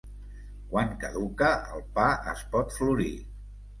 Quan caduca, el pa es pot florir.